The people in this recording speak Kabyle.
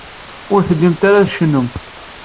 Ur tellimt ara tcennumt.